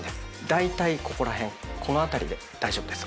だいたいここら辺この辺りで大丈夫です。